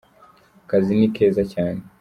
akazi nikeza cyane